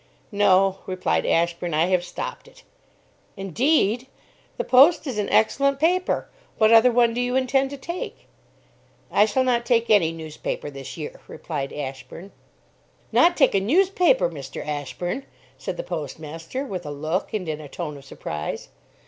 "No," replied Ashburn. "I have stopped it." "Indeed! The Post is an excellent paper. What other one do you intend to take?" "I shall not take any newspaper this year," replied Ashburn. "Not take a newspaper, Mr. Ashburn!" said the postmaster, with a look and in a tone of surprise.